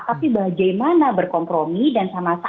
tapi bagaimana berkompromi dan sama sama